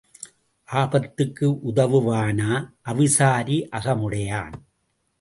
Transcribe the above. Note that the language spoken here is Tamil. ஆபத்துக்கு உதவுவானா அவிசாரி அகமுடையான்.